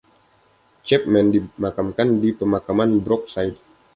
Chapman dimakamkan di Pemakaman Brookside.